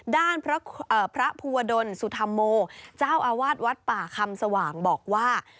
ด้านพระภูวดลสุธรรมโมเจ้าอาวาสวัดป่าคำสว่างบอกว่า